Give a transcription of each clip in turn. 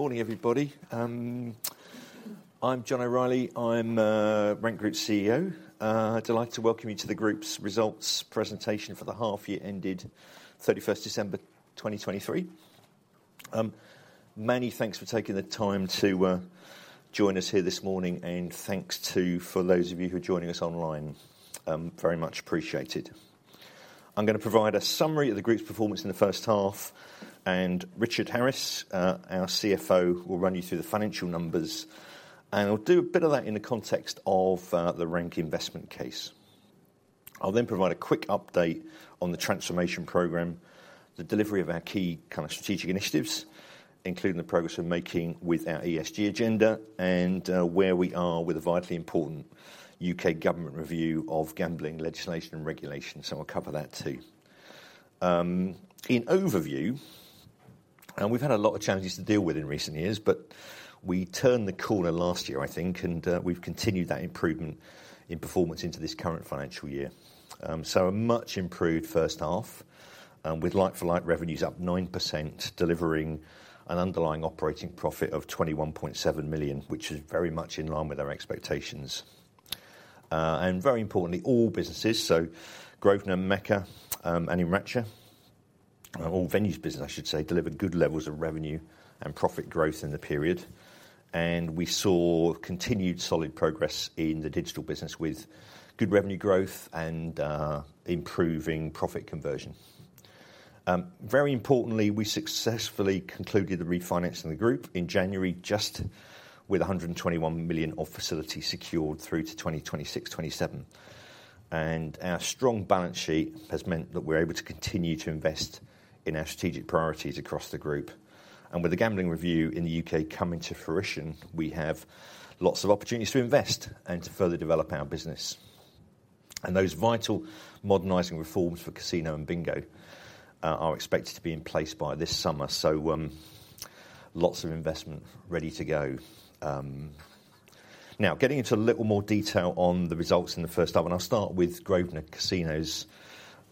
Morning, everybody. I'm John O'Reilly. I'm Rank Group CEO. I'd like to welcome you to the group's results presentation for the half year ended 31 December 2023. Many thanks for taking the time to join us here this morning, and thanks to those of you who are joining us online, very much appreciated. I'm gonna provide a summary of the group's performance in the first half, and Richard Harris, our CFO, will run you through the financial numbers, and we'll do a bit of that in the context of the Rank investment case. I'll then provide a quick update on the transformation program, the delivery of our key kind of strategic initiatives, including the progress we're making with our ESG agenda and where we are with the vitally important U.K. government review of gambling legislation and regulation. So I'll cover that too. In overview, and we've had a lot of challenges to deal with in recent years, but we turned the corner last year, I think, and we've continued that improvement in performance into this current financial year. So a much improved first half, with like-for-like revenues up 9%, delivering an underlying operating profit of 21.7 million, which is very much in line with our expectations. Very importantly, all businesses, so Grosvenor, Mecca, and Enracha, our all venues business, I should say, delivered good levels of revenue and profit growth in the period. We saw continued solid progress in the digital business, with good revenue growth and improving profit conversion. Very importantly, we successfully concluded the refinancing of the group in January, just with 121 million of facility secured through to 2026-2027. Our strong balance sheet has meant that we're able to continue to invest in our strategic priorities across the Group. With the gambling review in the UK coming to fruition, we have lots of opportunities to invest and to further develop our business. Those vital modernizing reforms for casino and bingo are expected to be in place by this summer. So, lots of investment ready to go. Now, getting into a little more detail on the results in the first half, and I'll start with Grosvenor Casinos,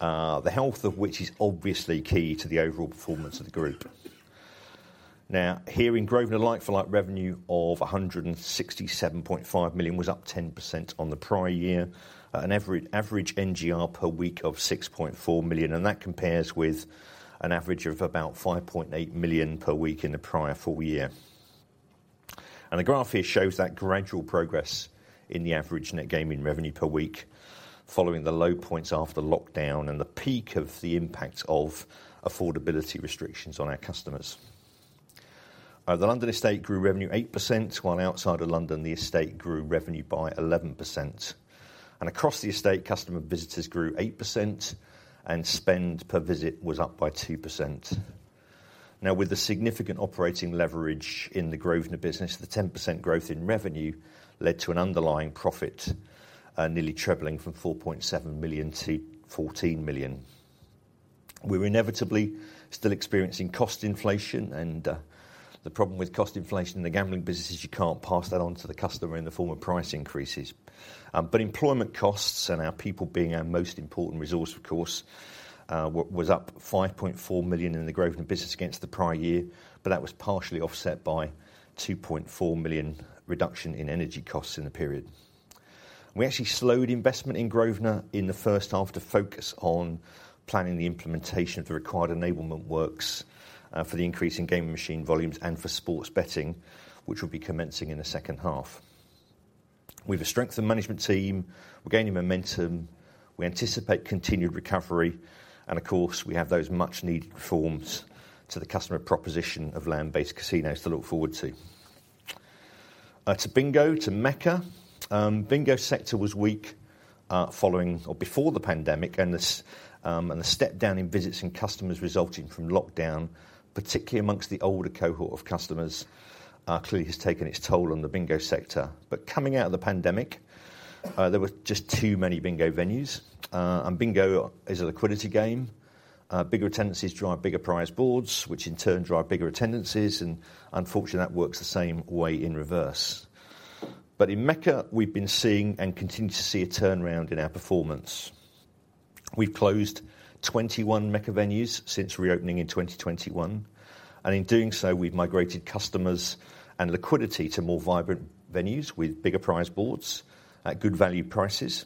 the health of which is obviously key to the overall performance of the Group. Now, here in Grosvenor, like-for-like revenue of 167.5 million was up 10% on the prior year, and average NGR per week of 6.4 million, and that compares with an average of about 5.8 million per week in the prior full year. And the graph here shows that gradual progress in the average net gaming revenue per week, following the low points after lockdown and the peak of the impact of affordability restrictions on our customers. The London estate grew revenue 8%, while outside of London, the estate grew revenue by 11%. And across the estate, customer visitors grew 8%, and spend per visit was up by 2%. Now, with the significant operating leverage in the Grosvenor business, the 10% growth in revenue led to an underlying profit nearly trebling from 4.7 million to 14 million. We're inevitably still experiencing cost inflation, and the problem with cost inflation in the gambling business is you can't pass that on to the customer in the form of price increases. But employment costs and our people being our most important resource, of course, was up 5.4 million in the Grosvenor business against the prior year, but that was partially offset by 2.4 million reduction in energy costs in the period. We actually slowed investment in Grosvenor in the first half to focus on planning the implementation of the required enablement works for the increase in gaming machine volumes and for sports betting, which will be commencing in the second half. We've a strengthened management team, we're gaining momentum, we anticipate continued recovery, and of course, we have those much-needed reforms to the customer proposition of land-based casinos to look forward to. To Bingo, to Mecca. Bingo sector was weak following or before the pandemic, and this, and the step-down in visits and customers resulting from lockdown, particularly amongst the older cohort of customers, clearly has taken its toll on the bingo sector. But coming out of the pandemic, there were just too many bingo venues, and bingo is a liquidity game. Bigger attendances drive bigger prize boards, which in turn drive bigger attendances, and unfortunately, that works the same way in reverse. But in Mecca, we've been seeing and continue to see a turnaround in our performance. We've closed 21 Mecca venues since reopening in 2021, and in doing so, we've migrated customers and liquidity to more vibrant venues with bigger prize boards at good value prices.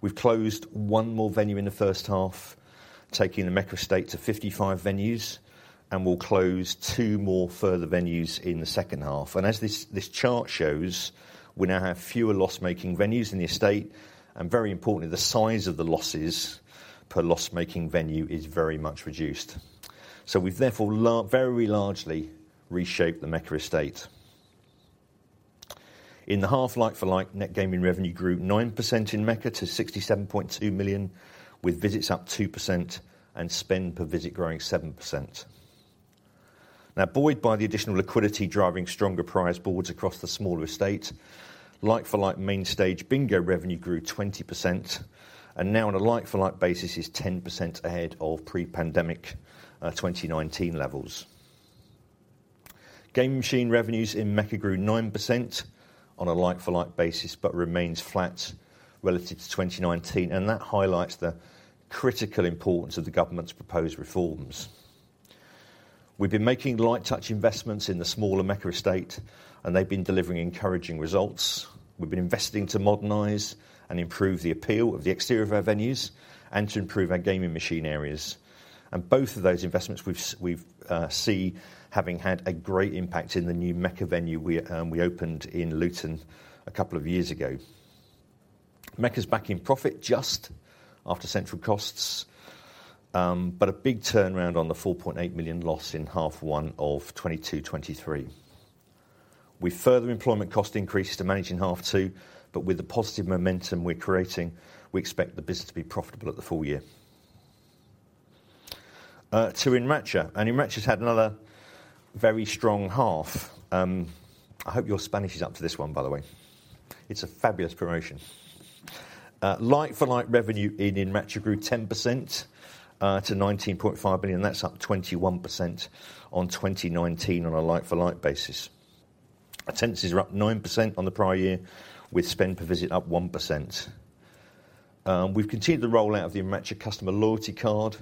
We've closed one more venue in the first half, taking the Mecca estate to 55 venues, and we'll close two more further venues in the second half. As this chart shows, we now have fewer loss-making venues in the estate, and very importantly, the size of the losses per loss-making venue is very much reduced. So we've therefore very largely reshaped the Mecca estate. In the half, like-for-like, net gaming revenue grew 9% in Mecca to 67.2 million, with visits up 2% and spend per visit growing 7%. Now, buoyed by the additional liquidity, driving stronger prize boards across the smaller estate, like-for-like, main stage bingo revenue grew 20% and now on a like-for-like basis, is 10% ahead of pre-pandemic, 2019 levels. Game machine revenues in Mecca grew 9% on a like-for-like basis, but remains flat relative to 2019, and that highlights the critical importance of the government's proposed reforms. We've been making light touch investments in the smaller Mecca estate, and they've been delivering encouraging results. We've been investing to modernize and improve the appeal of the exterior of our venues and to improve our gaming machine areas. Both of those investments, we've seen having had a great impact in the new Mecca venue we opened in Luton a couple of years ago. Mecca's back in profit just after central costs, but a big turnaround on the 4.8 million loss in half one of 2022, 2023. We [have] further employment cost increases to manage in half two, but with the positive momentum we're creating, we expect the business to be profitable at the full year. To Enracha, and Enracha's had another very strong half. I hope your Spanish is up to this one, by the way. It's a fabulous promotion. Like-for-like revenue in Enracha grew 10% to 19.5 million, and that's up 21% on 2019 on a like-for-like basis. Attendances are up 9% on the prior year, with spend per visit up 1%. We've continued the rollout of the Erancha customer loyalty card.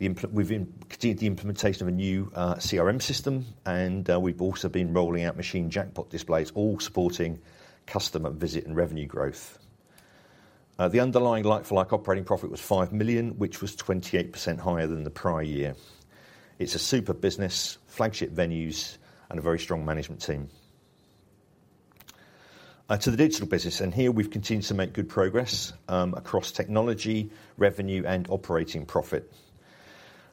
We've continued the implementation of a new CRM system, and we've also been rolling out machine jackpot displays, all supporting customer visit and revenue growth. The underlying like-for-like operating profit was uncertain, which was 28% higher than the prior year. It's a super business, flagship venues and a very strong management team. To the digital business, and here we've continued to make good progress across technology, revenue, and operating profit.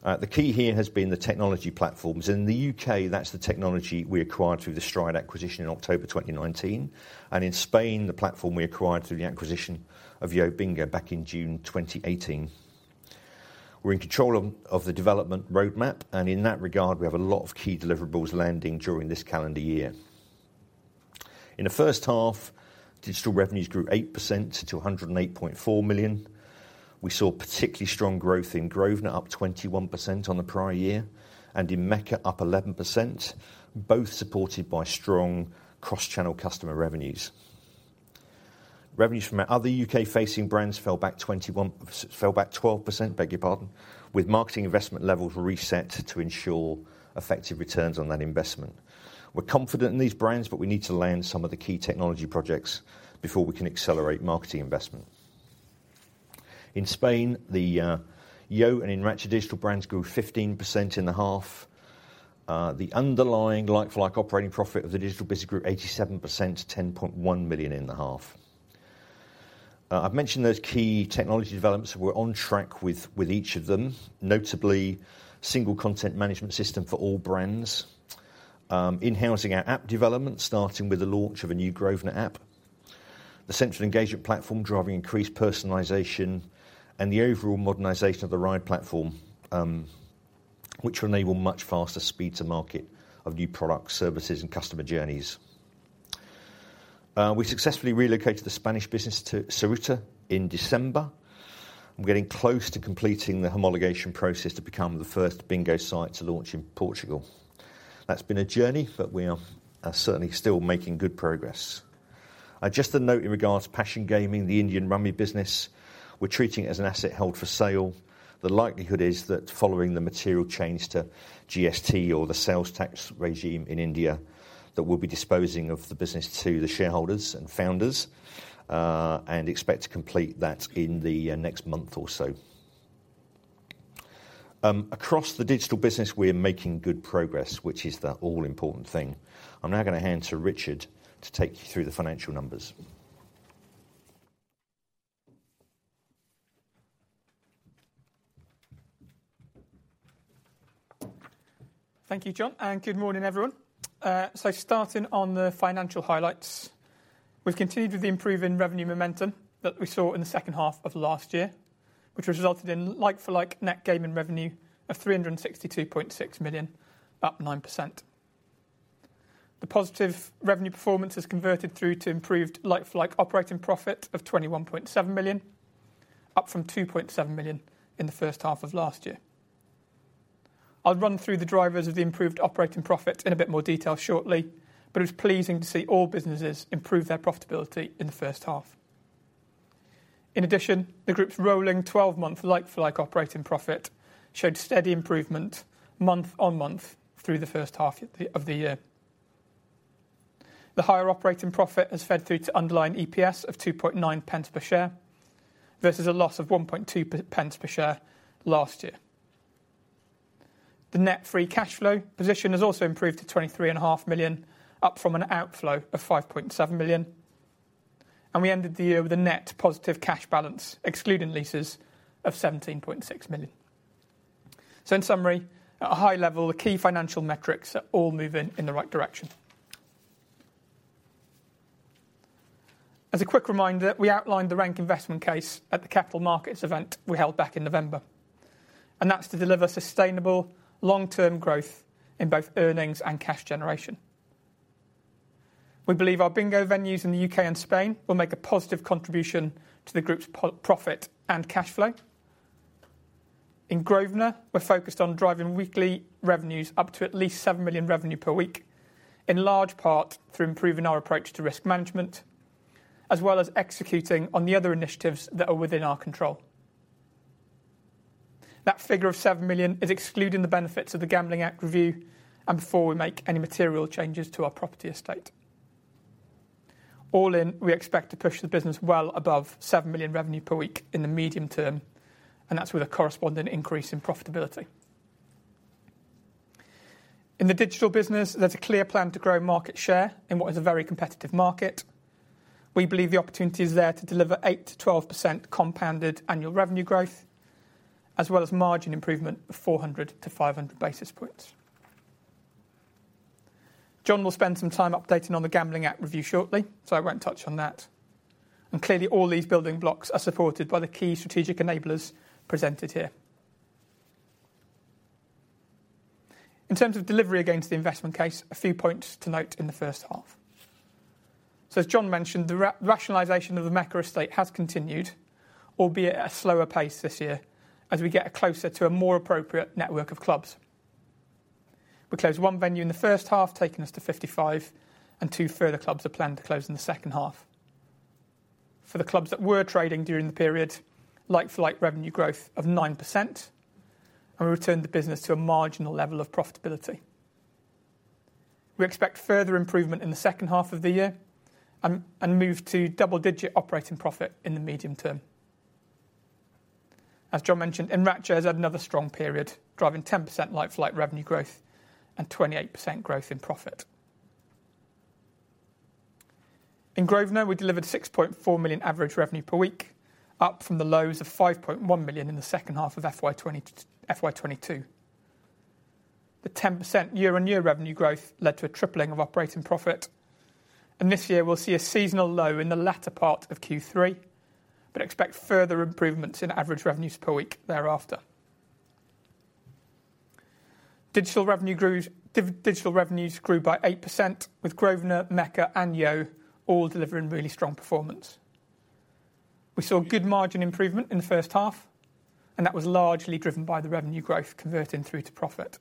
The key here has been the technology platforms. In the UK, that's the technology we acquired through the Stride acquisition in October 2019, and in Spain, the platform we acquired through the acquisition of YoBingo back in June 2018. We're in control of the development roadmap, and in that regard, we have a lot of key deliverables landing during this calendar year. In the first half, digital revenues grew 8% to 108.4 million. We saw particularly strong growth in Grosvenor, up 21% on the prior year, and in Mecca, up 11%, both supported by strong cross-channel customer revenues. Revenues from our other UK-facing brands fell back 21 pers-- fell back 12%, beg your pardon, with marketing investment levels reset to ensure effective returns on that investment. We're confident in these brands, but we need to land some of the key technology projects before we can accelerate marketing investment. In Spain, the Yo and Enracha digital brands grew 15% in the half. The underlying like-for-like operating profit of the digital business group, 87%, to 10.1 million in the half. I've mentioned those key technology developments. We're on track with each of them, notably single content management system for all brands, in-housing our app development, starting with the launch of a new Grosvenor app. The Central Engagement Platform driving increased personalization and the overall modernization of the ride platform, which will enable much faster speed to market of new products, services, and customer journeys. We successfully relocated the Spanish business to Ceuta in December. We're getting close to completing the homologation process to become the first bingo site to launch in Portugal. That's been a journey, but we are certainly still making good progress. Just a note in regards to Passion Gaming, the Indian Rummy business, we're treating it as an asset held for sale. The likelihood is that following the material change to GST or the sales tax regime in India, that we'll be disposing of the business to the shareholders and founders, and expect to complete that in the next month or so. Across the digital business, we are making good progress, which is the all-important thing. I'm now gonna hand to Richard to take you through the financial numbers. Thank you, John, and good morning, everyone. So starting on the financial highlights, we've continued with the improving revenue momentum that we saw in the second half of last year, which resulted in like-for-like net gaming revenue of 362.6 million, up 9%. The positive revenue performance has converted through to improved like-for-like operating profit of 21.7 million, up from 2.7 million in the first half of last year. I'll run through the drivers of the improved operating profit in a bit more detail shortly, but it's pleasing to see all businesses improve their profitability in the first half. In addition, the group's rolling 12-month like-for-like operating profit showed steady improvement month-on-month through the first half of the year. The higher operating profit has fed through to underlying EPS of 2.9 pence per share versus a loss of 1.2 pence per share last year. The net free cash flow position has also improved to 23.5 million, up from an outflow of 5.7 million, and we ended the year with a net positive cash balance, excluding leases of 17.6 million. So in summary, at a high level, the key financial metrics are all moving in the right direction. As a quick reminder, we outlined the Rank investment case at the capital markets event we held back in November, and that's to deliver sustainable long-term growth in both earnings and cash generation. We believe our bingo venues in the UK and Spain will make a positive contribution to the group's profit and cash flow. In Grosvenor, we're focused on driving weekly revenues up to at least 7 million revenue per week, in large part through improving our approach to risk management, as well as executing on the other initiatives that are within our control. That figure of 7 million is excluding the benefits of the Gambling Act review, and before we make any material changes to our property estate. All in, we expect to push the business well above 7 million revenue per week in the medium term, and that's with a corresponding increase in profitability. In the digital business, there's a clear plan to grow market share in what is a very competitive market. We believe the opportunity is there to deliver 8%-12% compounded annual revenue growth, as well as margin improvement of 400-500 basis points. John will spend some time updating on the Gambling Act review shortly, so I won't touch on that. Clearly, all these building blocks are supported by the key strategic enablers presented here. In terms of delivery against the investment case, a few points to note in the first half: So as John mentioned, the rationalization of the Mecca estate has continued, albeit at a slower pace this year, as we get closer to a more appropriate network of clubs. We closed one venue in the first half, taking us to 55, and 2 further clubs are planned to close in the second half. For the clubs that were trading during the period, like-for-like revenue growth of 9%, and we returned the business to a marginal level of profitability. We expect further improvement in the second half of the year and move to double-digit operating profit in the medium term. As John mentioned, Enracha has had another strong period, driving 10% like-for-like revenue growth and 28% growth in profit. In Grosvenor, we delivered 6.4 million average revenue per week, up from the lows of 5.1 million in the second half of FY 2022. The 10% year-on-year revenue growth led to a tripling of operating profit, and this year we'll see a seasonal low in the latter part of Q3, but expect further improvements in average revenues per week thereafter. Digital revenues grew by 8%, with Grosvenor, Mecca and Yo all delivering really strong performance. We saw good margin improvement in the first half, and that was largely driven by the revenue growth converting through to profit.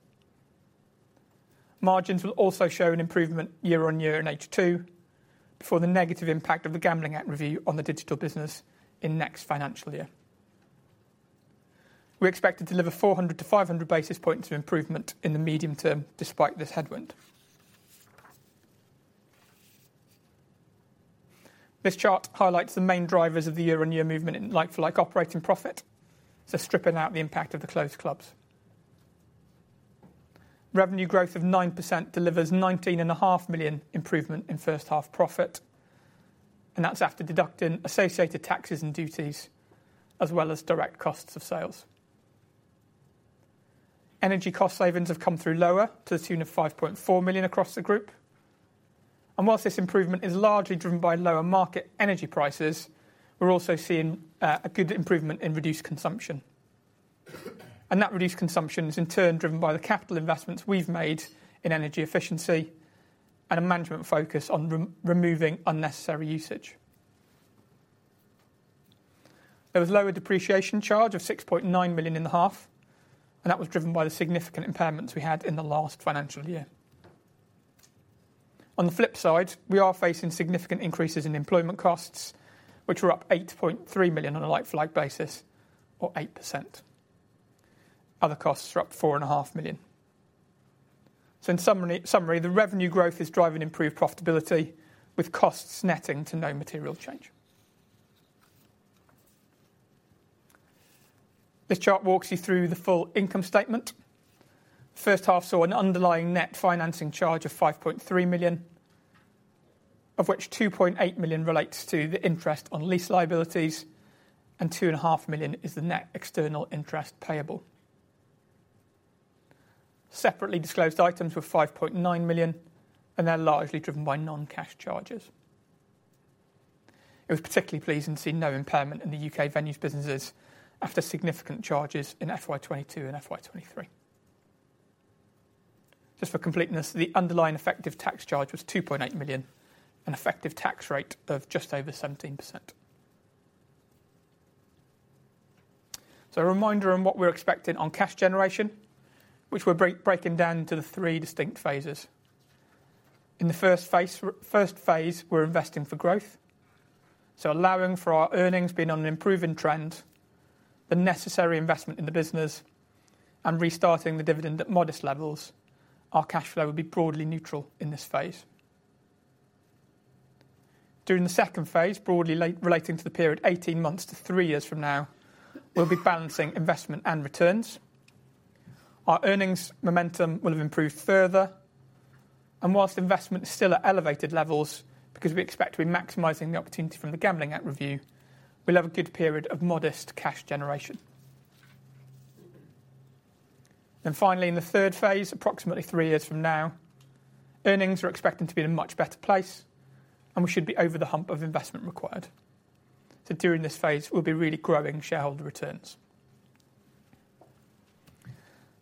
Margins will also show an improvement year-on-year in H2, before the negative impact of the Gambling Act review on the digital business in next financial year. We expect to deliver 400-500 basis points of improvement in the medium term, despite this headwind. This chart highlights the main drivers of the year-on-year movement in like-for-like operating profit, so stripping out the impact of the closed clubs. Revenue growth of 9% delivers 19.5 million improvement in first half profit, and that's after deducting associated taxes and duties, as well as direct costs of sales. Energy cost savings have come through lower to the tune of 5.4 million across the group. While this improvement is largely driven by lower market energy prices, we're also seeing a good improvement in reduced consumption. That reduced consumption is in turn driven by the capital investments we've made in energy efficiency and a management focus on removing unnecessary usage. There was lower depreciation charge of 6.9 million in the half, and that was driven by the significant impairments we had in the last financial year. On the flip side, we are facing significant increases in employment costs, which were up 8.3 million on a like-for-like basis, or 8%. Other costs are up 4.5 million. In summary, summary, the revenue growth is driving improved profitability, with costs netting to no material change. This chart walks you through the full income statement. First half saw an underlying net financing charge of 5.3 million, of which 2.8 million relates to the interest on lease liabilities, and 2.5 million is the net external interest payable. Separately disclosed items were 5.9 million, and they're largely driven by non-cash charges. It was particularly pleasing to see no impairment in the UK venues businesses after significant charges in FY 2022 and FY 2023. Just for completeness, the underlying effective tax charge was 2.8 million, an effective tax rate of just over 17%. So a reminder on what we're expecting on cash generation, which we're breaking down into the three distinct phases. In the first phase, we're investing for growth. So allowing for our earnings being on an improving trend, the necessary investment in the business, and restarting the dividend at modest levels, our cash flow will be broadly neutral in this phase. During the second phase, broadly relating to the period 18 months to three years from now, we'll be balancing investment and returns. Our earnings momentum will have improved further, and while investment is still at elevated levels, because we expect to be maximizing the opportunity from the Gambling Act review, we'll have a good period of modest cash generation. Then finally, in the third phase, approximately three years from now, earnings are expected to be in a much better place, and we should be over the hump of investment required. So during this phase, we'll be really growing shareholder returns...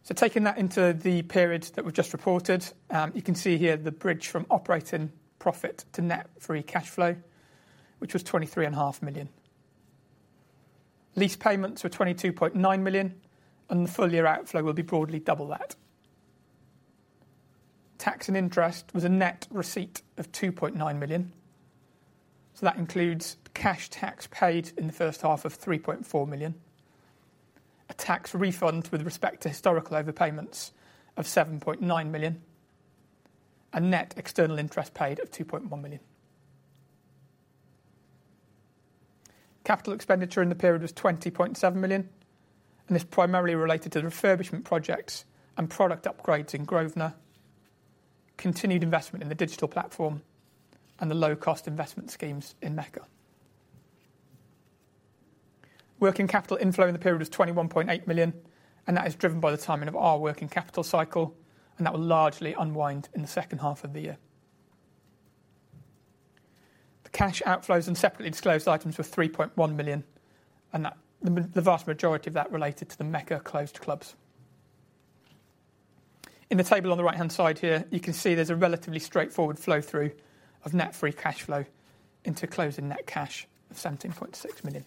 So taking that into the period that we've just reported, you can see here the bridge from operating profit to net free cashflow, which was 23.5 million. Lease payments were 22.9 million, and the full year outflow will be broadly double that. Tax and interest was a net receipt of 2.9 million, so that includes cash tax paid in the first half of 3.4 million, a tax refund with respect to historical overpayments of 7.9 million, a net external interest paid of 2.1 million. Capital expenditure in the period was 20.7 million, and this primarily related to the refurbishment projects and product upgrades in Grosvenor, continued investment in the digital platform, and the low-cost investment schemes in Mecca. Working capital inflow in the period was 21.8 million, and that is driven by the timing of our working capital cycle, and that will largely unwind in the second half of the year. The cash outflows and separately disclosed items were 3.1 million, and that the vast majority of that related to the Mecca closed clubs. In the table on the right-hand side here, you can see there's a relatively straightforward flow through of net free cashflow into closing net cash of 17.6 million.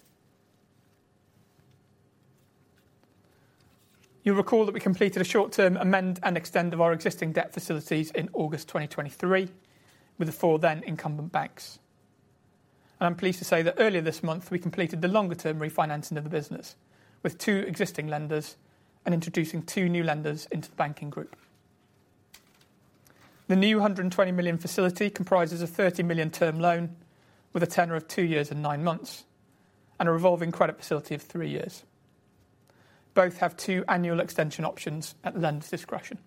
You'll recall that we completed a short-term amend and extend of our existing debt facilities in August 2023, with the four then incumbent banks. I'm pleased to say that earlier this month, we completed the longer-term refinancing of the business with two existing lenders and introducing two new lenders into the banking group. The new 120 million facility comprises a 30 million term loan with a tenor of two years and nine months, and a revolving credit facility of three years. Both have two annual extension options at lender's discretion.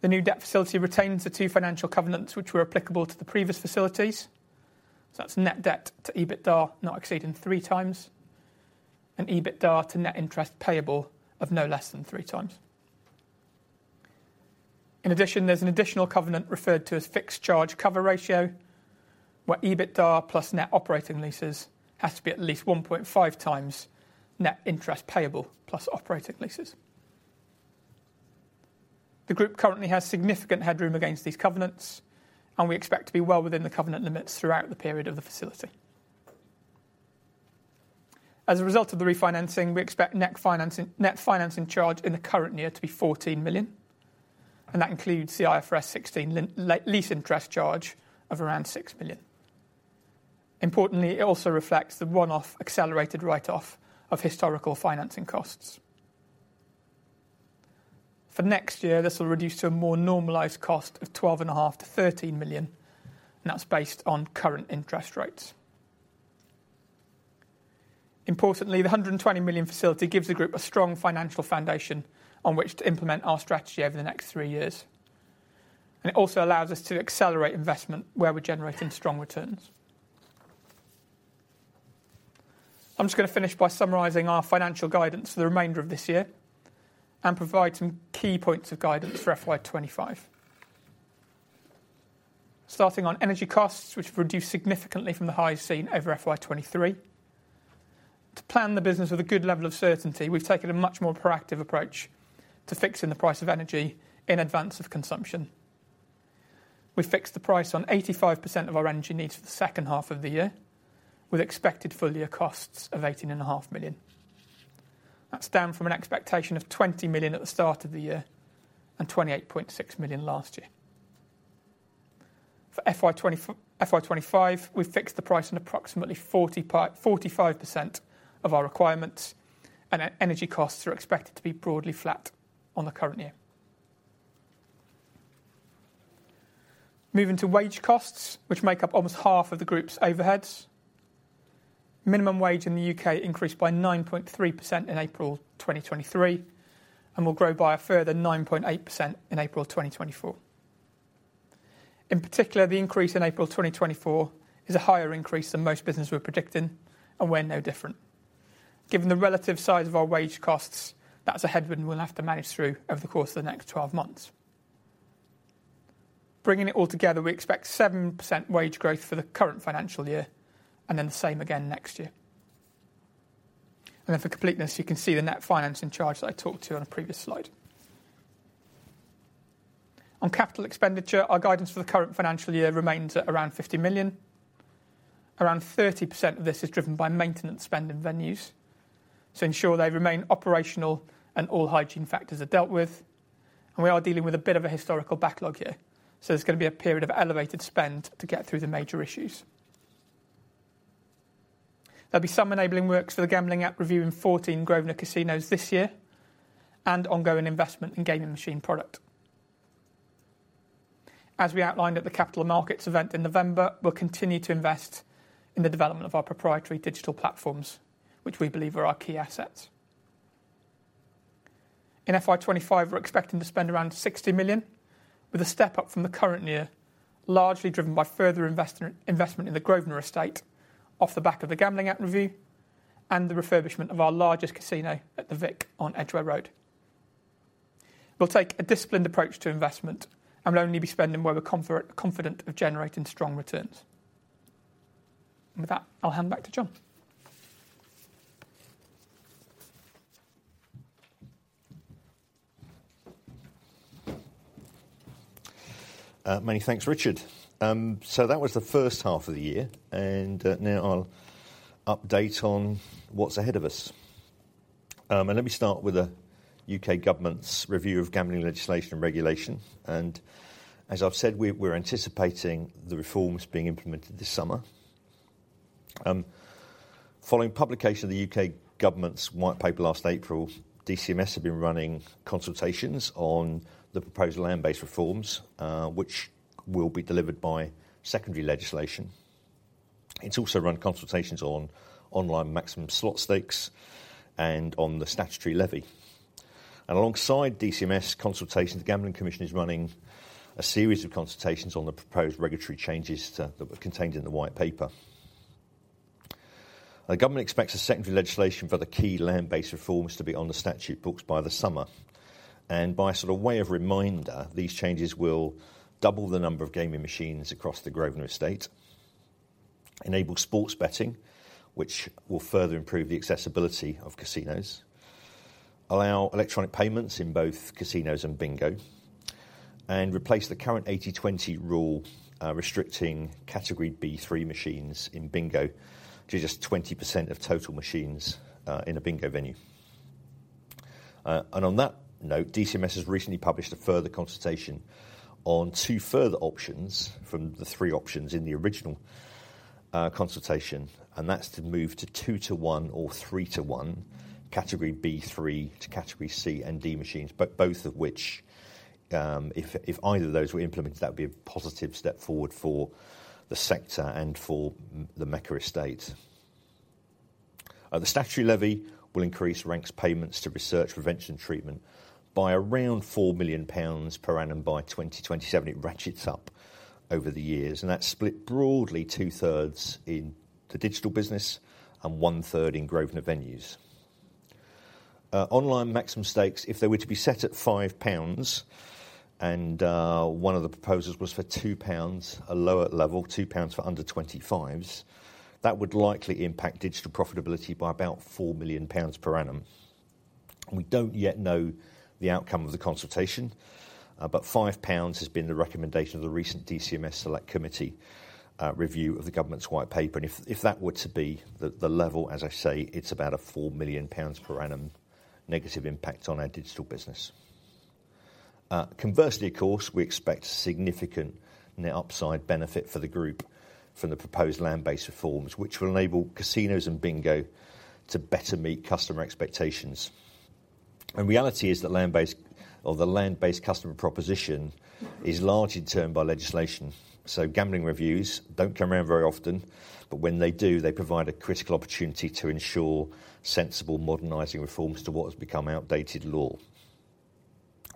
The new debt facility retains the two financial covenants, which were applicable to the previous facilities. So that's net debt to EBITDA not exceeding three times, and EBITDA to net interest payable of no less than three times. In addition, there's an additional covenant referred to as fixed charge cover ratio, where EBITDA plus net operating leases has to be at least 1.5 times net interest payable, plus operating leases. The group currently has significant headroom against these covenants, and we expect to be well within the covenant limits throughout the period of the facility. As a result of the refinancing, we expect net financing, net financing charge in the current year to be 14 million, and that includes the IFRS 16 lease interest charge of around 6 million. Importantly, it also reflects the one-off accelerated write-off of historical financing costs. For next year, this will reduce to a more normalized cost of 12.5 million-13 million, and that's based on current interest rates. Importantly, the 120 million facility gives the group a strong financial foundation on which to implement our strategy over the next three years, and it also allows us to accelerate investment where we're generating strong returns. I'm just gonna finish by summarizing our financial guidance for the remainder of this year and provide some key points of guidance for FY 2025. Starting on energy costs, which have reduced significantly from the highs seen over FY 2023. To plan the business with a good level of certainty, we've taken a much more proactive approach to fixing the price of energy in advance of consumption. We fixed the price on 85% of our energy needs for the second half of the year, with expected full-year costs of 18.5 million. That's down from an expectation of 20 million at the start of the year, and 28.6 million last year. For FY 2025, we've fixed the price on approximately 45% of our requirements, and energy costs are expected to be broadly flat on the current year. Moving to wage costs, which make up almost half of the group's overheads. Minimum wage in the U.K. increased by 9.3% in April 2023 and will grow by a further 9.8% in April 2024. In particular, the increase in April 2024 is a higher increase than most businesses were predicting, and we're no different. Given the relative size of our wage costs, that's a headwind we'll have to manage through over the course of the next 12 months. Bringing it all together, we expect 7% wage growth for the current financial year and then the same again next year. And then for completeness, you can see the net financing charge that I talked to on a previous slide. On capital expenditure, our guidance for the current financial year remains at around 50 million. Around 30% of this is driven by maintenance spend in venues to ensure they remain operational and all hygiene factors are dealt with, and we are dealing with a bit of a historical backlog here, so there's gonna be a period of elevated spend to get through the major issues. There'll be some enabling works for the Gambling Act review in 14 Grosvenor casinos this year and ongoing investment in gaming machine product. As we outlined at the Capital Markets event in November, we'll continue to invest in the development of our proprietary digital platforms, which we believe are our key assets. In FY 25, we're expecting to spend around 60 million, with a step up from the current year, largely driven by further investment in the Grosvenor estate off the back of the Gambling Act review and the refurbishment of our largest casino at The Vic on Edgware Road. We'll take a disciplined approach to investment and will only be spending where we're confident of generating strong returns. And with that, I'll hand back to John. Many thanks, Richard. So that was the first half of the year, and now I'll update on what's ahead of us. Let me start with the UK government's review of gambling legislation and regulation, and as I've said, we're anticipating the reforms being implemented this summer. Following publication of the UK government's White Paper last April, DCMS have been running consultations on the proposed land-based reforms, which will be delivered by secondary legislation. It's also run consultations on online maximum slot stakes and on the statutory levy. Alongside DCMS consultations, the Gambling Commission is running a series of consultations on the proposed regulatory changes that were contained in the White Paper. The government expects the secondary legislation for the key land-based reforms to be on the statute books by the summer, and by sort of way of reminder, these changes will double the number of gaming machines across the Grosvenor estate, enable sports betting, which will further improve the accessibility of casinos, allow electronic payments in both casinos and bingo, and replace the current 80/20 rule, restricting Category B3 machines in bingo to just 20% of total machines, in a bingo venue. And on that note, DCMS has recently published a further consultation on two further options from the three options in the original consultation, and that's to move to two-to-one or three-to-one Category B3 to Category C and D machines, but both of which, if either of those were implemented, that would be a positive step forward for the sector and for the Mecca estate. The statutory levy will increase Rank's payments to research, prevention, and treatment by around 4 million pounds per annum by 2027. It ratchets up over the years, and that's split broadly two-thirds in the digital business and one-third in Grosvenor venues. Online maximum stakes, if they were to be set at 5 pounds, and one of the proposals was for 2 pounds, a lower level, 2 pounds for under 25s, that would likely impact digital profitability by about 4 million pounds per annum. We don't yet know the outcome of the consultation, but 5 pounds has been the recommendation of the recent DCMS Select Committee review of the government's White Paper, and if that were to be the level, as I say, it's about a 4 million pounds per annum negative impact on our digital business. Conversely, of course, we expect significant net upside benefit for the group from the proposed land-based reforms, which will enable casinos and bingo to better meet customer expectations. Reality is that land-based or the land-based customer proposition is largely determined by legislation, so gambling reviews don't come around very often, but when they do, they provide a critical opportunity to ensure sensible, modernizing reforms to what has become outdated law.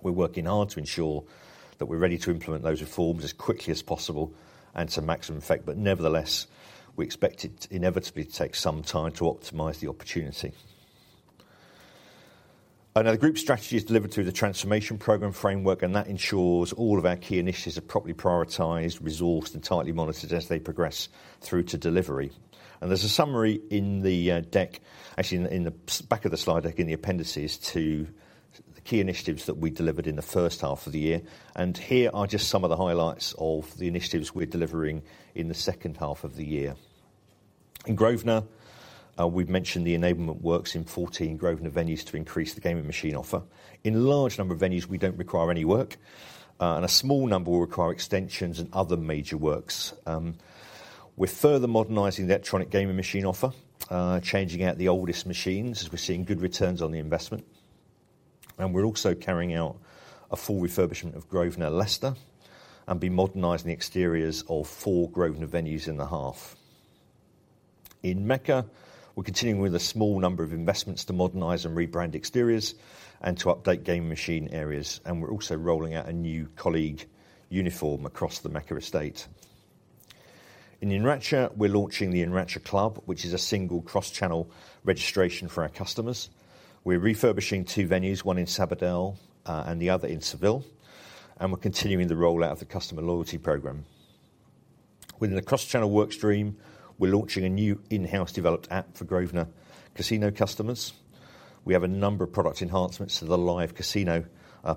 We're working hard to ensure that we're ready to implement those reforms as quickly as possible and to maximum effect, but nevertheless, we expect it inevitably to take some time to optimize the opportunity. Now the group's strategy is delivered through the transformation program framework, and that ensures all of our key initiatives are properly prioritized, resourced, and tightly monitored as they progress through to delivery. There's a summary in the deck, actually in the back of the slide deck, in the appendices to the key initiatives that we delivered in the first half of the year. Here are just some of the highlights of the initiatives we're delivering in the second half of the year. In Grosvenor, we've mentioned the enablement works in 14 Grosvenor venues to increase the gaming machine offer. In a large number of venues, we don't require any work, and a small number will require extensions and other major works. We're further modernizing the electronic gaming machine offer, changing out the oldest machines, as we're seeing good returns on the investment. And we're also carrying out a full refurbishment of Grosvenor Leicester and be modernizing the exteriors of four Grosvenor venues in the half. In Mecca, we're continuing with a small number of investments to modernize and rebrand exteriors and to update gaming machine areas, and we're also rolling out a new colleague uniform across the Mecca estate. In Enracha, we're launching the Enracha Club, which is a single cross-channel registration for our customers. We're refurbishing two venues, one in Sabadell, and the other in Seville, and we're continuing the rollout of the customer loyalty program. Within the cross-channel work stream, we're launching a new in-house developed app for Grosvenor Casino customers. We have a number of product enhancements to the live casino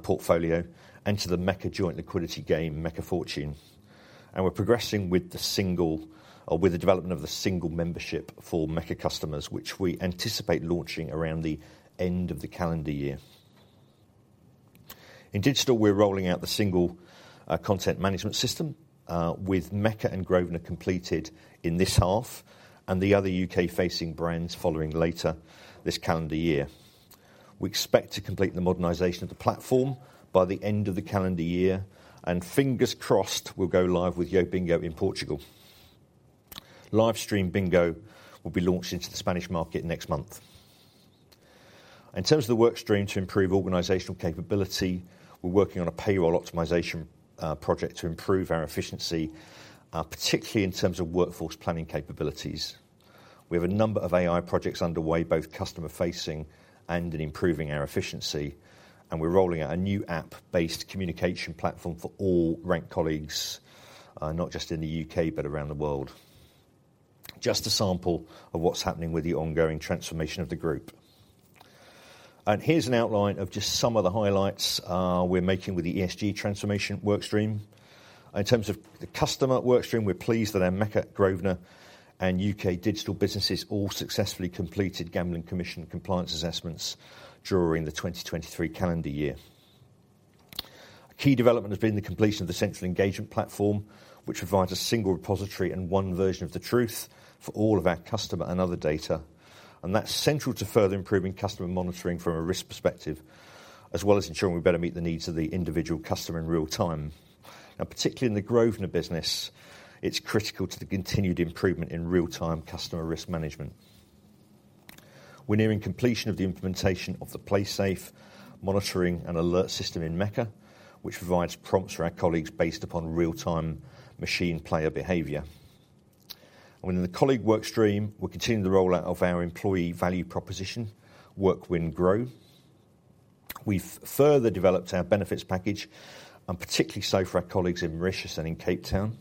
portfolio and to the Mecca joint liquidity game, Mecca Fortune. And we're progressing with the development of the single membership for Mecca customers, which we anticipate launching around the end of the calendar year. In digital, we're rolling out the single content management system with Mecca and Grosvenor completed in this half and the other UK-facing brands following later this calendar year. We expect to complete the modernization of the platform by the end of the calendar year, and fingers crossed we'll go live with YoBingo! in Portugal. Livestream Bingo will be launching to the Spanish market next month. In terms of the work stream to improve organizational capability, we're working on a payroll optimization project to improve our efficiency, particularly in terms of workforce planning capabilities. We have a number of AI projects underway, both customer-facing and in improving our efficiency, and we're rolling out a new app-based communication platform for all Rank colleagues, not just in the UK, but around the world. Just a sample of what's happening with the ongoing transformation of the group. Here's an outline of just some of the highlights we're making with the ESG transformation workstream. In terms of the customer workstream, we're pleased that our Mecca, Grosvenor, and UK digital businesses all successfully completed Gambling Commission compliance assessments during the 2023 calendar year. A key development has been the completion of the central engagement platform, which provides a single repository and one version of the truth for all of our customer and other data, and that's central to further improving customer monitoring from a risk perspective, as well as ensuring we better meet the needs of the individual customer in real time. Now, particularly in the Grosvenor business, it's critical to the continued improvement in real-time customer risk management. We're nearing completion of the implementation of the PlaySafe monitoring and alert system in Mecca, which provides prompts for our colleagues based upon real-time machine player behavior. In the colleague workstream, we're continuing the rollout of our employee value proposition, Work Win Grow. We've further developed our benefits package, and particularly so for our colleagues in Mauritius and in Cape Town,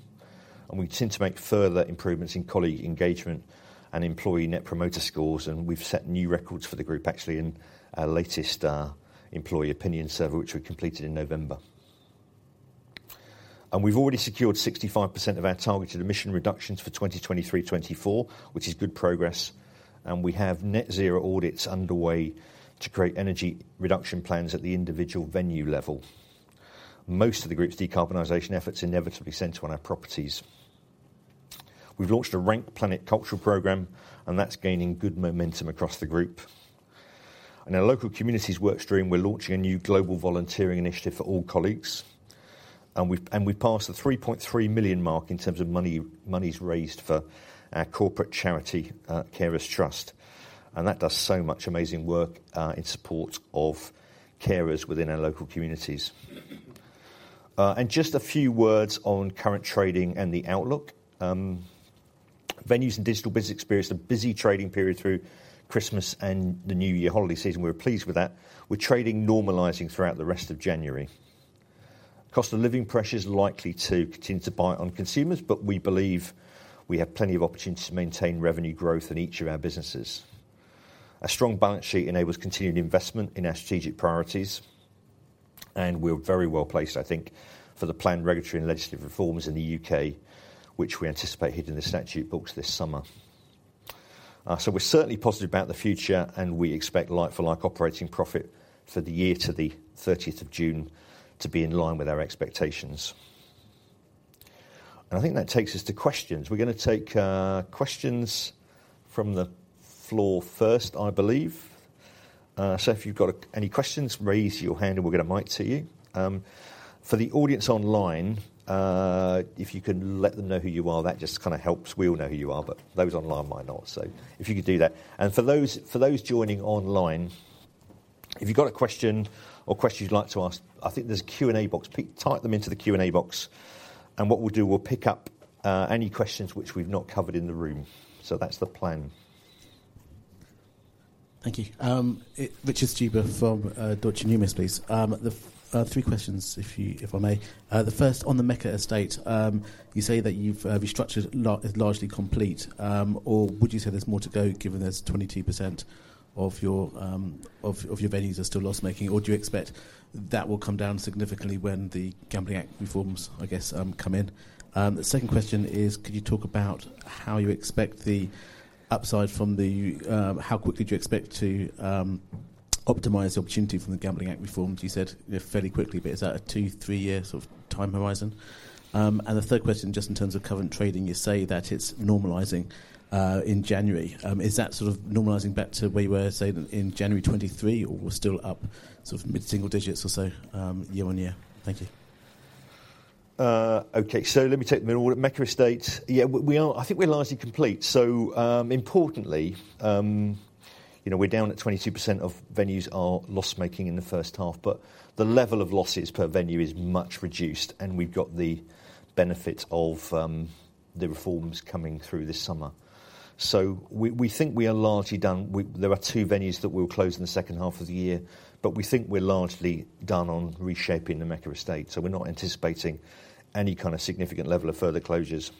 and we continue to make further improvements in colleague engagement and employee Net Promoter scores, and we've set new records for the group, actually, in our latest employee opinion survey, which we completed in November. We've already secured 65% of our targeted emission reductions for 2023-2024, which is good progress, and we have net zero audits underway to create energy reduction plans at the individual venue level. Most of the group's decarbonization efforts inevitably center on our properties. We've launched a Rank Planet Cultural Program, and that's gaining good momentum across the group. In our local communities workstream, we're launching a new global volunteering initiative for all colleagues, and we've passed the 3.3 million mark in terms of money, monies raised for our corporate charity, Carers Trust, and that does so much amazing work in support of carers within our local communities. Just a few words on current trading and the outlook. Venues and digital business experienced a busy trading period through Christmas and the New Year holiday season. We're pleased with that. We're trading normalising throughout the rest of January. Cost of living pressure is likely to continue to bite on consumers, but we believe we have plenty of opportunity to maintain revenue growth in each of our businesses. A strong balance sheet enables continued investment in our strategic priorities, and we're very well-placed, I think, for the planned regulatory and legislative reforms in the U.K., which we anticipate hitting the statute books this summer. So we're certainly positive about the future, and we expect like-for-like operating profit for the year to the 13th of June to be in line with our expectations. I think that takes us to questions. We're gonna take questions from the floor first, I believe. So if you've got any questions, raise your hand and we'll get a mic to you. For the audience online, if you can let them know who you are, that just kind of helps. We all know who you are, but those online might not. So if you could do that. For those, for those joining online, if you've got a question or questions you'd like to ask, I think there's a Q&A box. Please type them into the Q&A box, and what we'll do, we'll pick up any questions which we've not covered in the room. So that's the plan. Thank you. Richard Stuber from Deutsche Numis, please. Three questions, if I may. The first, on the Mecca estate, you say that you've restructured is largely complete, or would you say there's more to go, given there's 22% of your venues are still loss-making? Or do you expect that will come down significantly when the Gambling Act reforms, I guess, come in? The second question is, could you talk about how you expect the upside from the... How quickly do you expect to optimize the opportunity from the Gambling Act reforms? You said, you know, fairly quickly, but is that a two to three-year sort of time horizon? And the third question, just in terms of current trading, you say that it's normalizing in January. Is that sort of normalizing back to where you were, say, in January 2023, or we're still up sort of mid-single digits or so, year-over-year? Thank you. Okay, so let me take them in order. Mecca Estate, yeah, we are, I think we're largely complete. So, importantly, you know, we're down at 22% of venues are loss-making in the first half, but the level of losses per venue is much reduced, and we've got the benefit of the reforms coming through this summer. So we think we are largely done. We, there are two venues that we'll close in the second half of the year, but we think we're largely done on reshaping the Mecca Estate. So we're not anticipating any kind of significant level of further closures,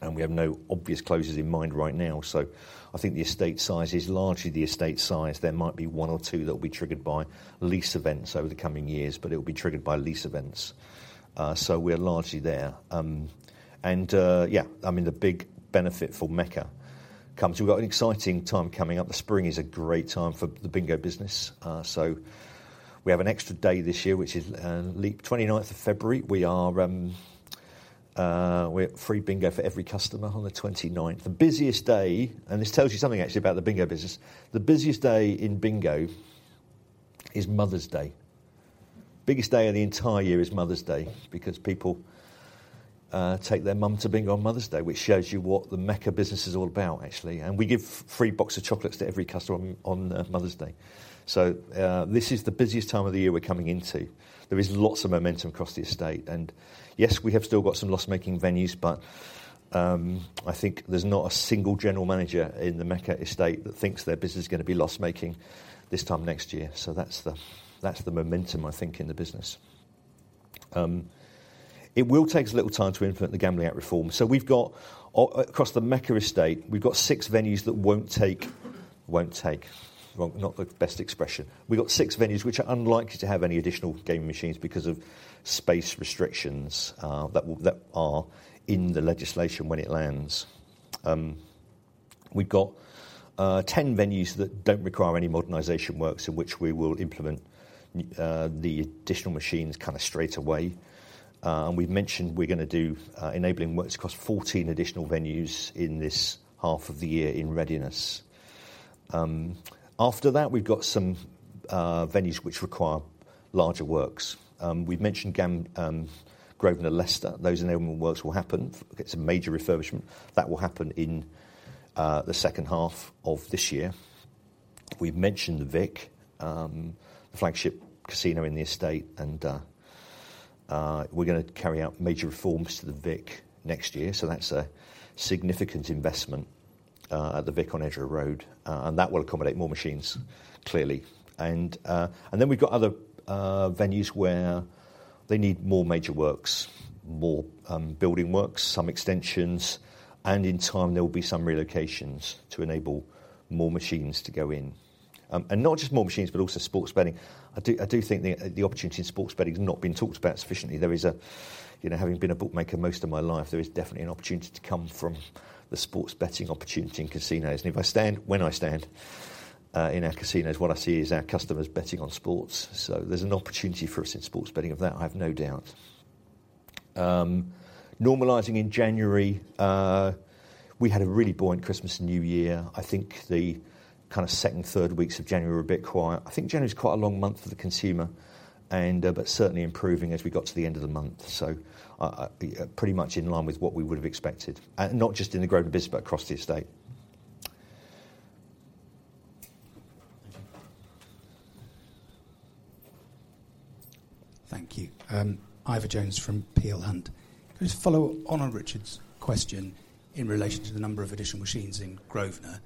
and we have no obvious closures in mind right now. So I think the estate size is largely the estate size. There might be one or two that will be triggered by lease events over the coming years, but it will be triggered by lease events. So we're largely there. Yeah, I mean, the big benefit for Mecca comes. We've got an exciting time coming up. The spring is a great time for the bingo business. So we have an extra day this year, which is leap 29th of February. We have free bingo for every customer on the 29th. The busiest day, and this tells you something actually about the bingo business, the busiest day in bingo is Mother's Day. Biggest day of the entire year is Mother's Day because people take their mum to bingo on Mother's Day, which shows you what the Mecca business is all about, actually. We give free box of chocolates to every customer on Mother's Day. So this is the busiest time of the year we're coming into. There is lots of momentum across the estate, and yes, we have still got some loss-making venues, but I think there's not a single general manager in the Mecca estate that thinks their business is gonna be loss-making this time next year. So that's the momentum, I think, in the business. It will take us a little time to implement the Gambling Act reform. So we've got, across the Mecca estate, we've got six venues that won't take, well, not the best expression. We've got six venues which are unlikely to have any additional gaming machines because of space restrictions that are in the legislation when it lands. We've got 10 venues that don't require any modernization works, in which we will implement the additional machines kinda straight away. And we've mentioned we're gonna do enabling works across 14 additional venues in this half of the year in readiness. After that, we've got some venues which require larger works. We've mentioned Grosvenor Leicester. Those enablement works will happen. It's a major refurbishment, that will happen in the second half of this year. We've mentioned the Vic, the flagship casino in the estate, and we're gonna carry out major reforms to the Vic next year, so that's a significant investment at the Vic on Edgware Road, and that will accommodate more machines, clearly. And then we've got other venues where they need more major works, more building works, some extensions, and in time there will be some relocations to enable more machines to go in. And not just more machines, but also sports betting. I do, I do think the opportunity in sports betting has not been talked about sufficiently. There is a—you know, having been a bookmaker most of my life, there is definitely an opportunity to come from the sports betting opportunity in casinos. And if I stand—when I stand in our casinos, what I see is our customers betting on sports. So there's an opportunity for us in sports betting of that, I have no doubt. Normalising in January, we had a really buoyant Christmas and New Year. I think the kind of second and third weeks of January were a bit quiet. I think January is quite a long month for the consumer and, but certainly improving as we got to the end of the month, so, pretty much in line with what we would have expected, not just in the Grosvenor business, but across the estate. Thank you. Ivor Jones from Peel Hunt. Can I just follow on on Richard's question in relation to the number of additional machines in Grosvenor?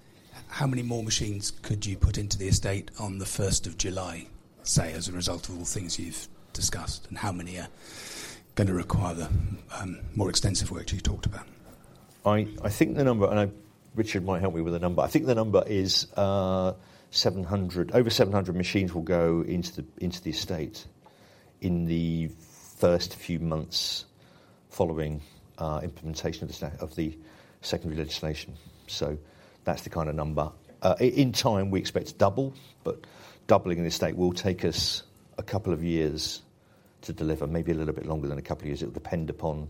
How many more machines could you put into the estate on the 1st of July, say, as a result of all the things you've discussed? And how many are gonna require the more extensive work that you talked about? I think the number, and Richard might help me with the number. I think the number is over 700 machines will go into the estate in the first few months following implementation of the secondary legislation. So that's the kind of number. In time, we expect to double, but doubling the estate will take us a couple of years to deliver, maybe a little bit longer than a couple of years. It will depend upon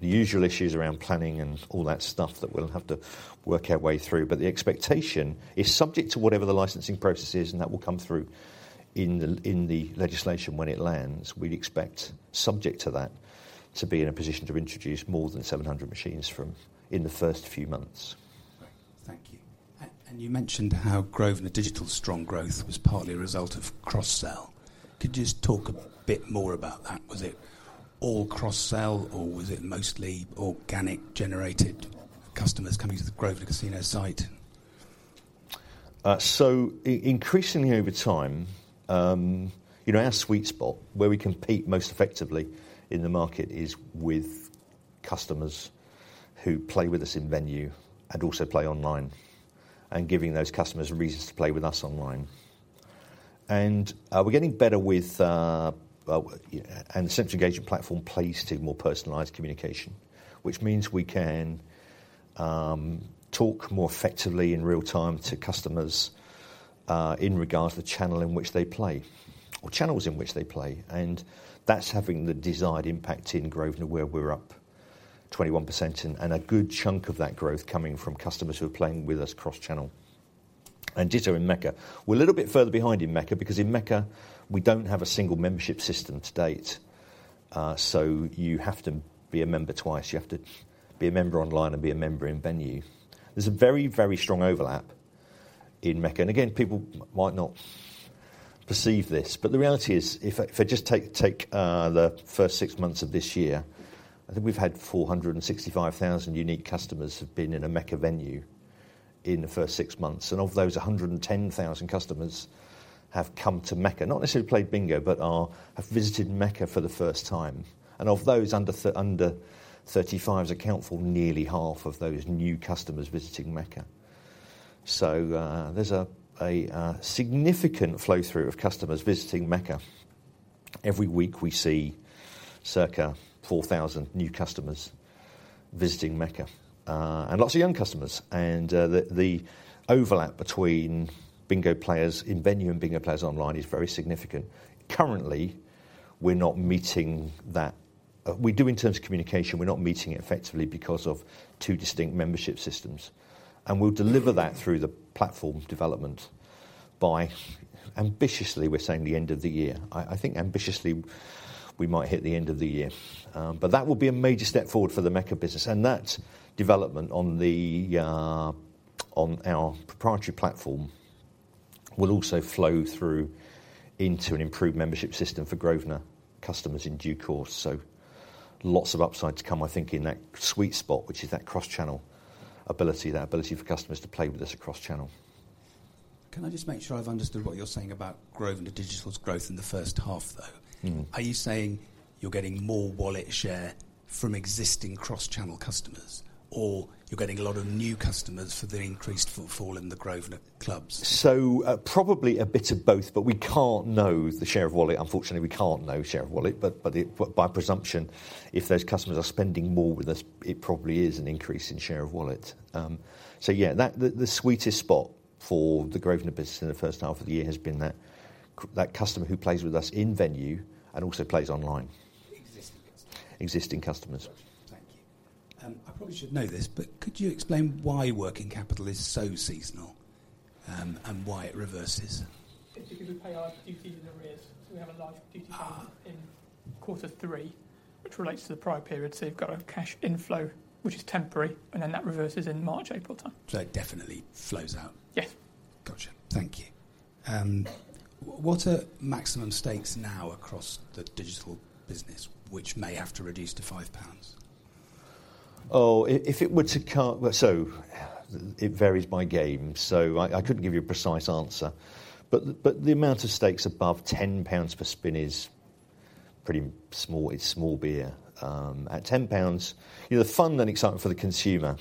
the usual issues around planning and all that stuff that we'll have to work our way through, but the expectation is subject to whatever the licensing process is, and that will come through in the legislation when it lands. We'd expect, subject to that, to be in a position to introduce more than 700 machines in the first few months. Great. Thank you. And, and you mentioned how Grosvenor digital strong growth was partly a result of cross-sell. Could you just talk a bit more about that? Was it all cross-sell, or was it mostly organic-generated customers coming to the Grosvenor Casino site? So increasingly over time, you know, our sweet spot, where we compete most effectively in the market, is with customers who play with us in venue and also play online, and giving those customers a reason to play with us online. And we're getting better with and the central engagement platform plays to more personalized communication, which means we can talk more effectively in real time to customers in regards to the channel in which they play or channels in which they play, and that's having the desired impact in Grosvenor, where we're up 21% and a good chunk of that growth coming from customers who are playing with us cross-channel. And ditto in Mecca. We're a little bit further behind in Mecca, because in Mecca, we don't have a single membership system to date. So you have to be a member twice. You have to be a member online and be a member in venue. There's a very, very strong overlap in Mecca. And again, people might not perceive this, but the reality is, if I just take the first six months of this year, I think we've had 465,000 unique customers who've been in a Mecca venue in the first six months, and of those, 110,000 customers have come to Mecca, not necessarily to play bingo, but have visited Mecca for the first time. And of those, under 35s account for nearly half of those new customers visiting Mecca. So, there's a significant flow-through of customers visiting Mecca. Every week, we see circa 4,000 new customers visiting Mecca, and lots of young customers, and the overlap between bingo players in venue and bingo players online is very significant. Currently, we're not meeting that. We do in terms of communication, we're not meeting it effectively because of two distinct membership systems, and we'll deliver that through the platform development by ambitiously, we're saying the end of the year. I think ambitiously, we might hit the end of the year. But that will be a major step forward for the Mecca business, and that development on our proprietary platform will also flow through into an improved membership system for Grosvenor customers in due course. So lots of upside to come, I think, in that sweet spot, which is that cross-channel ability, that ability for customers to play with us across channel. Can I just make sure I've understood what you're saying about Grosvenor Digital's growth in the first half, though? Are you saying you're getting more wallet share from existing cross-channel customers, or you're getting a lot of new customers for the increased fulfillment in the Grosvenor clubs? So, probably a bit of both, but we can't know the share of wallet. Unfortunately, we can't know share of wallet, but by presumption, if those customers are spending more with us, it probably is an increase in share of wallet. So yeah, the sweetest spot for the Grosvenor business in the first half of the year has been that customer who plays with us in venue and also plays online. Existing customers? Existing customers. Thank you. I probably should know this, but could you explain why working capital is so seasonal, and why it reverses? It's because we pay our duties in arrears, so we have a large duty- Ah... in quarter three, which relates to the prior period. So you've got a cash inflow, which is temporary, and then that reverses in March, April time. It definitely flows out? Yes. Gotcha. Thank you. What are maximum stakes now across the digital business, which may have to reduce to 5 pounds? Oh, if it were to come... So it varies by game, so I couldn't give you a precise answer. But the amount of stakes above 10 pounds per spin is pretty small. It's small beer. At 10 pounds, you know, the fun and excitement for the consumer,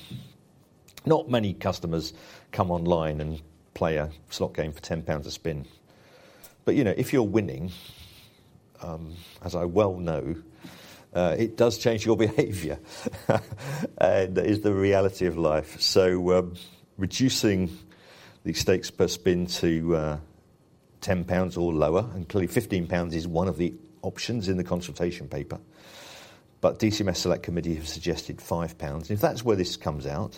not many customers come online and play a slot game for 10 pounds a spin. But, you know, if you're winning, as I well know, it does change your behavior. And that is the reality of life. So, reducing the stakes per spin to 10 pounds or lower, and clearly 15 pounds is one of the options in the consultation paper, but DCMS Select Committee have suggested 5 pounds. If that's where this comes out,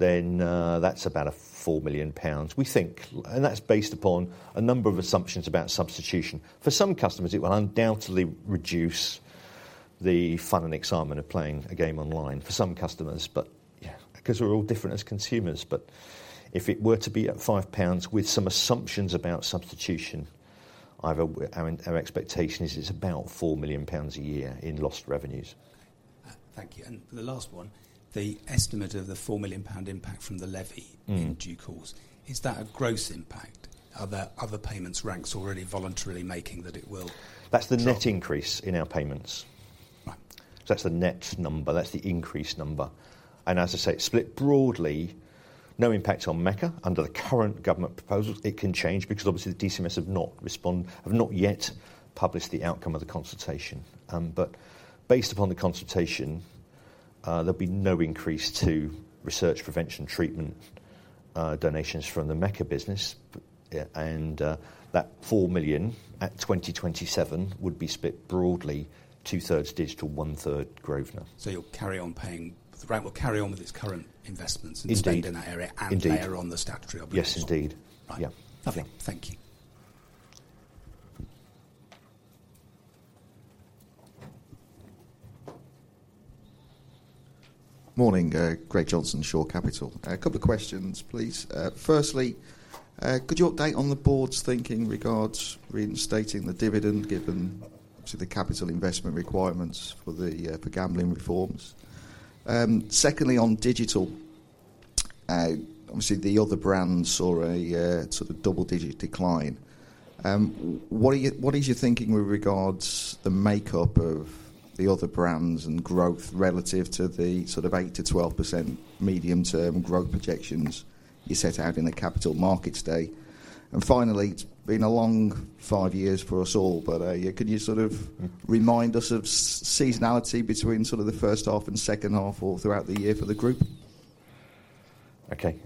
then that's about a 4 million pounds. We think, and that's based upon a number of assumptions about substitution. For some customers, it will undoubtedly reduce the fun and excitement of playing a game online, for some customers. But yeah, because we're all different as consumers. But if it were to be at 5 pounds, with some assumptions about substitution, our expectation is it's about 4 million pounds a year in lost revenues. Thank you, and the last one: the estimate of the 4 million pound impact from the levy- Mm... in due course, is that a gross impact? Are there other payments Rank's already voluntarily making, that it will- That's the net increase in our payments. Right. So that's the net number, that's the increased number, and as I say, it's split broadly. No impact on Mecca under the current government proposals. It can change, because obviously, the DCMS have not yet published the outcome of the consultation. But based upon the consultation, there'll be no increase to research, prevention, treatment, donations from the Mecca business. And that 4 million, at 2027, would be split broadly, two-thirds digital, one-third Grosvenor. You'll carry on paying... The brand will carry on with its current investments- Indeed... in spending that area- Indeed... and layer on the statutory obligation? Yes, indeed. Right. Yeah. Lovely. Thank you. Morning, Greg Johnson, Shore Capital. A couple of questions, please. Firstly, could you update on the board's thinking regards reinstating the dividend, given to the capital investment requirements for the, the gambling reforms? Secondly, on digital, obviously, the other brands saw a, sort of double-digit decline. What is your thinking with regards the makeup of the other brands and growth relative to the sort of 8%-12% medium-term growth projections you set out in the Capital Markets Day? And finally, it's been a long five years for us all, but, yeah, can you sort of remind us of seasonality between sort of the first half and second half or throughout the year for the group? Okay.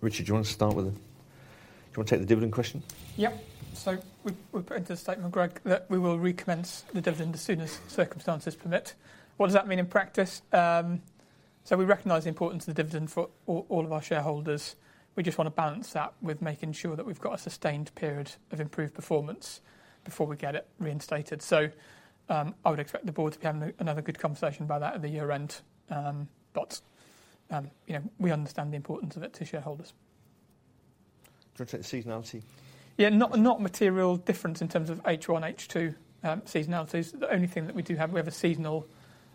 Richard, you want to start with the... Do you want to take the dividend question? Yep. So we put into the statement, Greg, that we will recommence the dividend as soon as circumstances permit. What does that mean in practice? So we recognize the importance of the dividend for all of our shareholders. We just want to balance that with making sure that we've got a sustained period of improved performance before we get it reinstated. So, I would expect the board to have another good conversation about that at the year end. But, you know, we understand the importance of it to shareholders. Do you want to take the seasonality? Yeah, not materially different in terms of H1, H2, seasonality. The only thing that we do have, we have a seasonal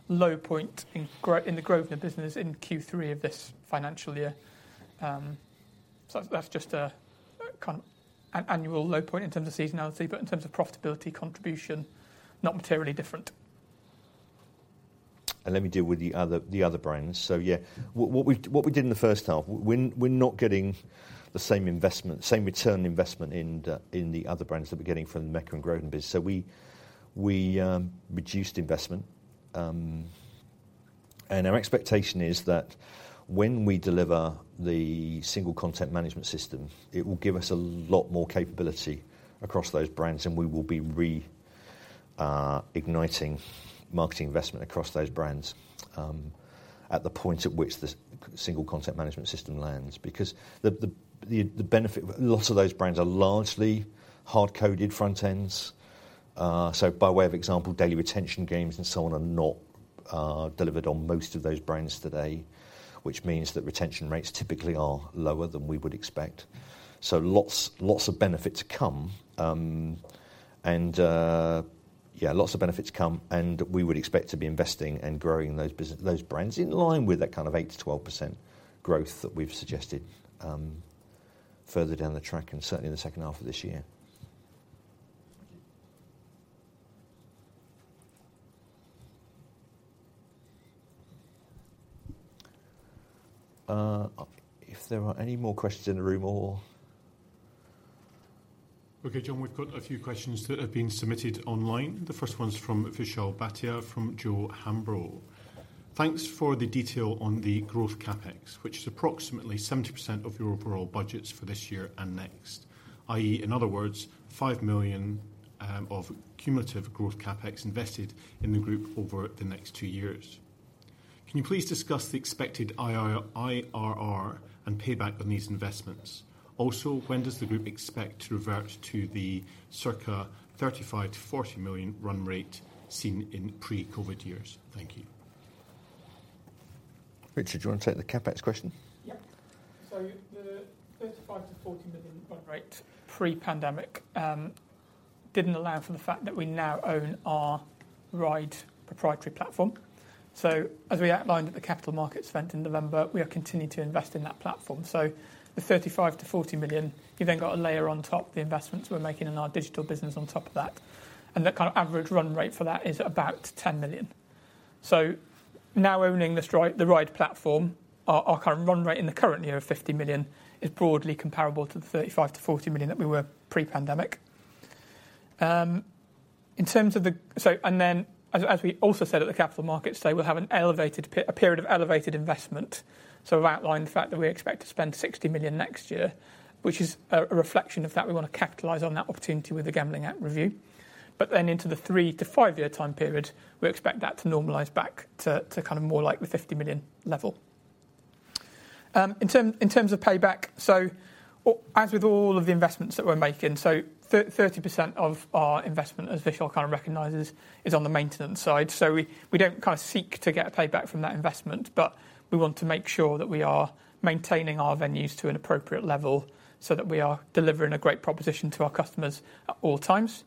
low point in the Grosvenor business in Q3 of this financial year. So that's just a kind of annual low point in terms of seasonality, but in terms of profitability contribution, not materially different. Let me deal with the other brands. So yeah, what we did in the first half, we're not getting the same investment, same return on investment in the other brands that we're getting from the Mecca and Grosvenor business. So we reduced investment. And our expectation is that when we deliver the single content management system, it will give us a lot more capability across those brands, and we will be reigniting marketing investment across those brands, at the point at which the single content management system lands. Because the benefit... Lots of those brands are largely hard-coded front ends. So by way of example, daily retention games and so on, are not-... Delivered on most of those brands today, which means that retention rates typically are lower than we would expect. So lots, lots of benefit to come. And, yeah, lots of benefits to come, and we would expect to be investing and growing those those brands in line with that kind of 8%-12% growth that we've suggested, further down the track, and certainly in the second half of this year. Thank you. If there are any more questions in the room or- Okay, John, we've got a few questions that have been submitted online. The first one's from Vishal Bhatia from J.O. Hambro. "Thanks for the detail on the growth CapEx, which is approximately 70% of your overall budgets for this year and next, i.e., in other words, 5 million of cumulative growth CapEx invested in the group over the next two years. Can you please discuss the expected IRR and payback on these investments? Also, when does the group expect to revert to the circa 35 million-40 million run rate seen in pre-COVID years? Thank you. Richard, do you want to take the CapEx question? Yeah. So the 35-40 million run rate pre-pandemic didn't allow for the fact that we now own our RIDE proprietary platform. So as we outlined at the capital markets event in November, we are continuing to invest in that platform. So the 35-40 million, you've then got a layer on top, the investments we're making in our digital business on top of that, and the kind of average run rate for that is about 10 million. So now owning this RIDE, the stride platform, our, our current run rate in the current year of 50 million is broadly comparable to the 35-40 million that we were pre-pandemic. In terms of the. So, and then as we also said at the capital markets today, we'll have a period of elevated investment. So we've outlined the fact that we expect to spend 60 million next year, which is a reflection of that. We want to capitalize on that opportunity with the Gambling Act review. But then into the three- to five-year time period, we expect that to normalize back to kind of more like the 50 million level. In terms of payback, as with all of the investments that we're making, so 30% of our investment, as Vishal kind of recognizes, is on the maintenance side. So we don't kind of seek to get a payback from that investment, but we want to make sure that we are maintaining our venues to an appropriate level so that we are delivering a great proposition to our customers at all times.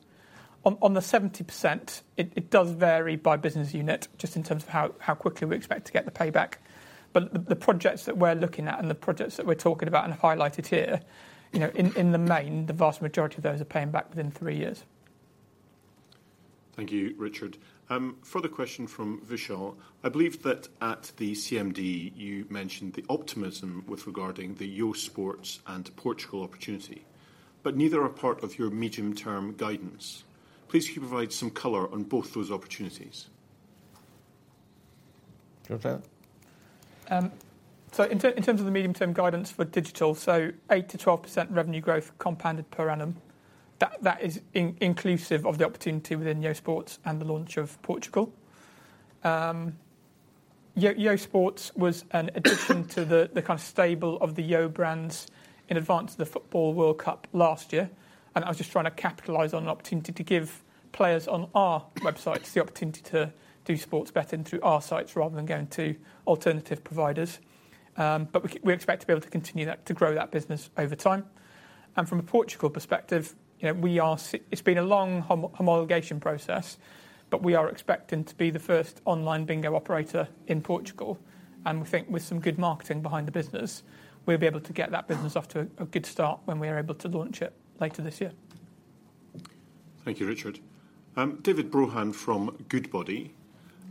On the 70%, it does vary by business unit just in terms of how quickly we expect to get the payback. But the projects that we're looking at and the projects that we're talking about and have highlighted here, you know, in the main, the vast majority of those are paying back within three years. Thank you, Richard. Further question from Vishal: "I believe that at the CMD, you mentioned the optimism with regarding the YoSports and Portugal opportunity, but neither are part of your medium-term guidance. Please can you provide some color on both those opportunities? Do you want that? So in terms of the medium-term guidance for digital, so 8%-12% revenue growth compounded per annum. That is inclusive of the opportunity within YoSports and the launch of Portugal. YoSports was an addition to the kind of stable of the Yo brands in advance of the Football World Cup last year, and I was just trying to capitalize on an opportunity to give players on our websites the opportunity to do sports betting through our sites rather than going to alternative providers. But we expect to be able to continue that, to grow that business over time. And from a Portugal perspective, you know, we are seeing it's been a long homologation process, but we are expecting to be the first online bingo operator in Portugal. We think with some good marketing behind the business, we'll be able to get that business off to a good start when we are able to launch it later this year. Thank you, Richard. David Brohan from Goodbody,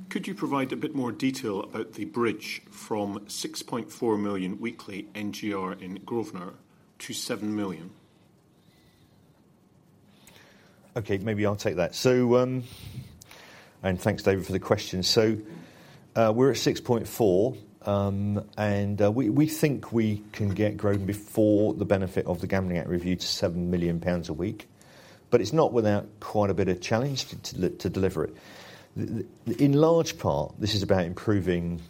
"Could you provide a bit more detail about the bridge from 6.4 million weekly NGR in Grosvenor to 7 million? Okay, maybe I'll take that. So, and thanks, David, for the question. So, we're at 6.4 million, and we think we can get growing before the benefit of the Gambling Act review to 7 million pounds a week, but it's not without quite a bit of challenge to deliver it. In large part, this is about improving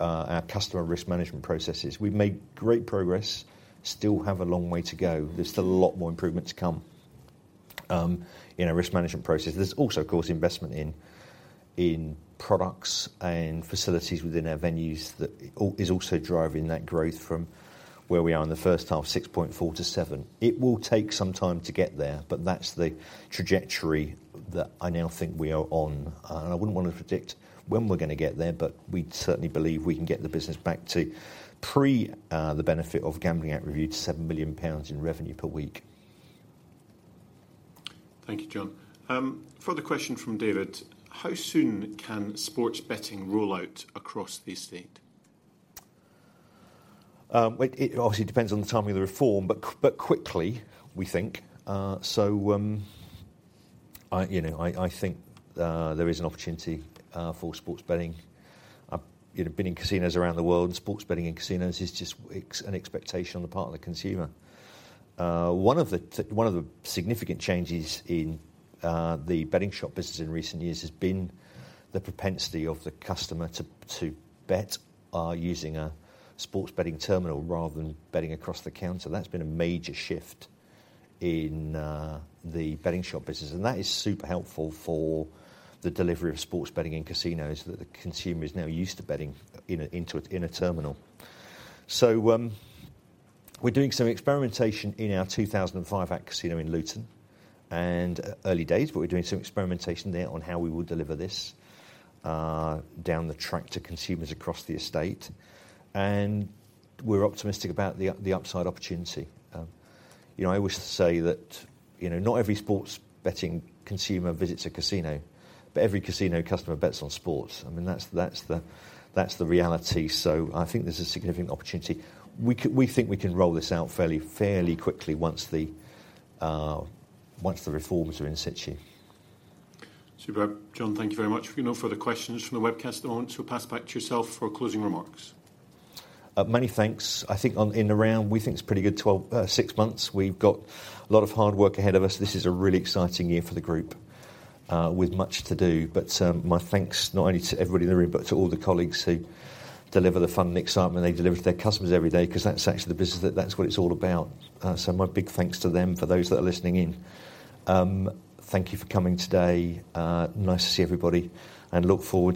our customer risk management processes. We've made great progress, still have a long way to go. There's still a lot more improvement to come in our risk management process. There's also, of course, investment in products and facilities within our venues that is also driving that growth from where we are in the first half, 6.4 million to 7 million. It will take some time to get there, but that's the trajectory that I now think we are on. I wouldn't want to predict when we're gonna get there, but we certainly believe we can get the business back to pre the benefit of Gambling Act review, to 7 million pounds in revenue per week. Thank you, John. Further question from David: "How soon can sports betting roll out across the estate? It obviously depends on the timing of the reform, but quickly, we think. So, I, you know, I think, there is an opportunity for sports betting. I've, you know, been in casinos around the world, sports betting in casinos is just an expectation on the part of the consumer. One of the significant changes in the betting shop business in recent years has been the propensity of the customer to bet using a sports betting terminal rather than betting across the counter. That's been a major shift in the betting shop business, and that is super helpful for the delivery of sports betting in casinos, that the consumer is now used to betting in a terminal. So, we're doing some experimentation in our 2005 casino in Luton, and early days, but we're doing some experimentation there on how we will deliver this down the track to consumers across the estate. And we're optimistic about the upside opportunity. You know, I wish to say that, you know, not every sports betting consumer visits a casino, but every casino customer bets on sports. I mean, that's the reality. So I think there's a significant opportunity. We think we can roll this out fairly quickly once the reforms are in situ. Superb. John, thank you very much. We've no further questions from the webcast at the moment, so pass back to yourself for closing remarks. Many thanks. I think in the round, we think it's pretty good 12, six months. We've got a lot of hard work ahead of us. This is a really exciting year for the group, with much to do. But, my thanks, not only to everybody in the room, but to all the colleagues who deliver the fun and excitement they deliver to their customers every day, 'cause that's actually the business, that's what it's all about. So my big thanks to them, for those that are listening in. Thank you for coming today. Nice to see everybody, and look forward-